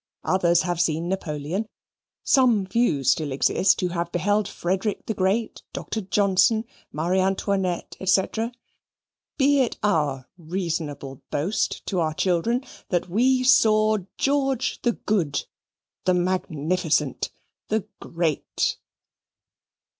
Others have seen Napoleon. Some few still exist who have beheld Frederick the Great, Doctor Johnson, Marie Antoinette, &c. be it our reasonable boast to our children, that we saw George the Good, the Magnificent, the Great.